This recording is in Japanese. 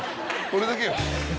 これだけよ。